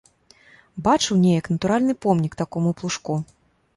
Бачыў неяк натуральны помнік такому плужку.